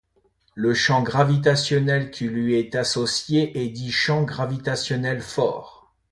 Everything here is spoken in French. Le champ gravitationnel qui lui est associé est dit champ gravitationnel fort.